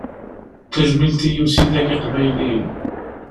Tajmilt i yimsidag iqbayliyen.